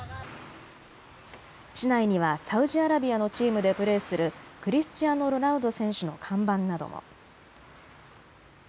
市内にはサウジアラビアのチームでプレーするクリスチアーノ・ロナウド選手の看板なども。